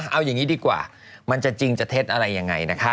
เอาอย่างนี้ดีกว่ามันจะจริงจะเท็จอะไรยังไงนะคะ